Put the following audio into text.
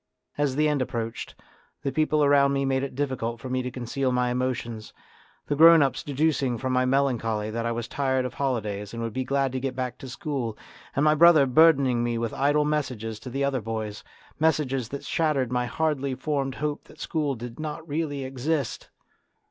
As the end approached, the people around me made it difficult for me to conceal my emotions, the grown ups deducing from my melancholy that I was tired of holidays and would be glad to get back to school, and my brother burdening me with idle messages to the other boys messages that shattered my hardly formed hope that school did not really exist.